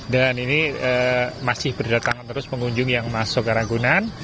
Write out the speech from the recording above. dan ini masih berdatangan terus pengunjung yang masuk ragunan